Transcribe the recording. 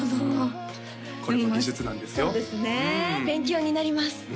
勉強になります